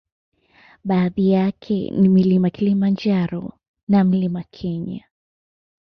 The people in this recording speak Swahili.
Baadhi yake ni mlima kilimanjaro na mlima Kenya